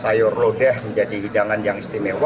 sayur lodeh menjadi hidangan yang istimewa